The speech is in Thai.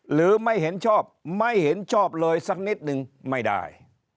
หรือไม่เห็นชอบไม่เห็นชอบเลยสักนิดนึงไม่ได้